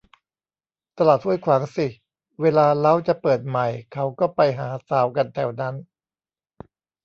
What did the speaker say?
ตลาดห้วยขวางสิ เวลาเล้าจะเปิดใหม่เขาก็ไปหาสาวกันแถวนั้น